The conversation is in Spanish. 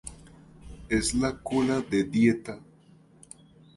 Es la cola de dieta".